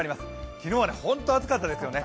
昨日はほんと暑かったですよね。